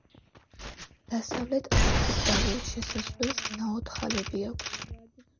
დასავლეთ არქიტრავულ შესასვლელს ნაოთხალები აქვს.